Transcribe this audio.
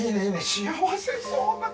幸せそうな。